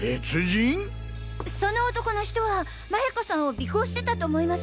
その男の人は麻也子さんを尾行してたと思います。